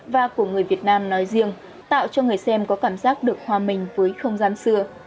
và của người việt nam nói riêng tạo cho người xem có cảm giác được hòa mình với không gian xưa